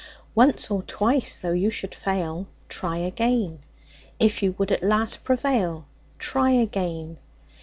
Once or twice though you should fail Try again; If you would at last prevail, Try again.